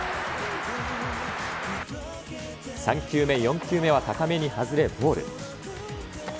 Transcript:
３球目、４球目は高めに外れボール。